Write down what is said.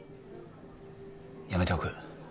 やめておく